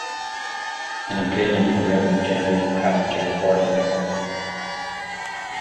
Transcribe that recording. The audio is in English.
An enplanement is a revenue generating passenger boarding an aircraft.